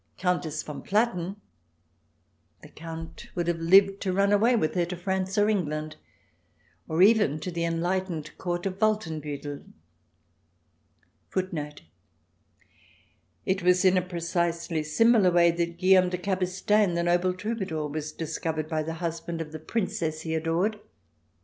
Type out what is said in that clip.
Countess von Platen, the Count would have lived to run away with her to France or England, or even to the enlightened Court of Wolfenbuttel.* Duke Antony of Ulrich, the * It was in a precisely similar way that Guillem de Cabestaing, the noble troubadour, was discovered by the husband of the Princess he adored.